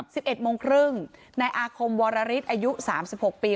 สิบเอ็ดโมงครึ่งนายอาคมวรฤทธิอายุสามสิบหกปี